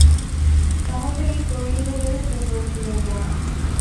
তাহলেই তৈরি হয়ে যাবে কুমড়া ফুলের বড়া।